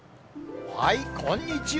こんにちは。